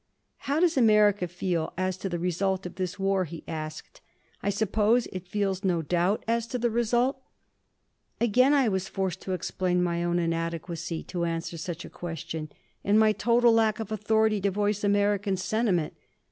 "How does America feel as to the result of this war?" he asked, "I suppose it feels no doubt as to the result." Again I was forced to explain my own inadequacy to answer such a question and my total lack of authority to voice American sentiment.